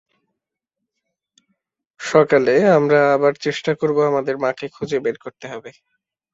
সকালে, আমরা আবার চেষ্টা করব আমাদের মাকে খুঁজে বের করতে হবে।